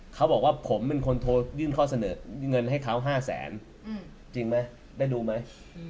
เขาบอกว่าผมเป็นคนโทรยื่นข้อเสนอเงินให้เขา๕แสนจริงไหมได้ดูไหม